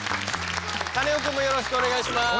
カネオくんもよろしくお願いします。